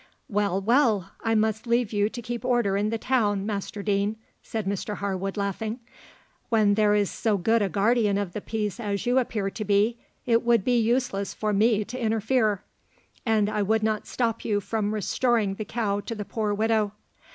"Well, well! I must leave you to keep order in the town, Master Deane," said Mr Harwood, laughing; "when there is so good a guardian of the peace as you appear to be, it would be useless for me to interfere; and I would not stop you from restoring the cow to the poor widow.